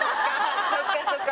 そっかそっか。